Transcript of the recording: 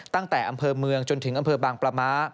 ตั้งแต่อำเภอเมืองจนถึงอำเภอบางปลาม้า